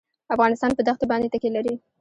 افغانستان په دښتې باندې تکیه لري.